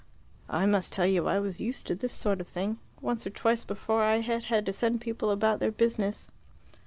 I must tell you I was used to this sort of thing. Once or twice before I had had to send people about their business."